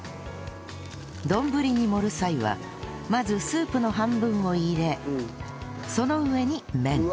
どんぶりに盛る際はまずスープの半分を入れその上に麺